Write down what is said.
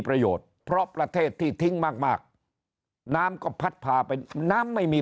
ประโยชน์เพราะประเทศที่ทิ้งมากมากน้ำก็พัดพาไปน้ำไม่มี